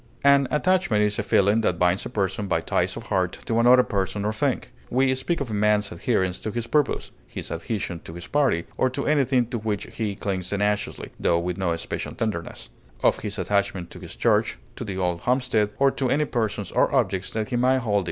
An attachment is a feeling that binds a person by ties of heart to another person or thing; we speak of a man's adherence to his purpose, his adhesion to his party, or to anything to which he clings tenaciously, tho with no special tenderness; of his attachment to his church, to the old homestead, or to any persons or objects that he may hold dear.